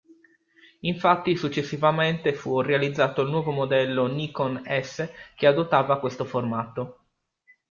Infatti successivamente fu realizzato il nuovo modello Nikon S che adottava questo formato.